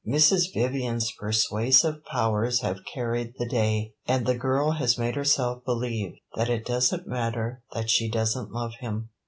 Mrs. Vivian's persuasive powers have carried the day, and the girl has made herself believe that it does n't matter that she does n't love him.